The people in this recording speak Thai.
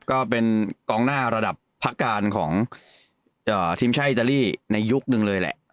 ก็เป็นกองหน้าระดับพักการของทีมชาติอิตาลีในยุคนึงเลยแหละ